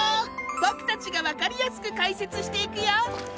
僕たちが分かりやすく解説していくよ。